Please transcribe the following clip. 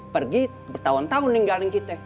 pergi bertahun tahun ninggalin kita